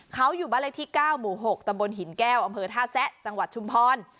เขาอยู่บ้านเลขที่๙หมู่๖ตำบลหินแก้วอำเภอท่าแซะจังหวัดชุมพร